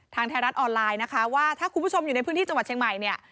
ไทยรัฐออนไลน์นะคะว่าถ้าคุณผู้ชมอยู่ในพื้นที่จังหวัดเชียงใหม่เนี่ย